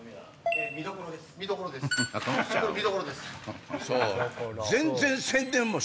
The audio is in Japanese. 「みどころ」です。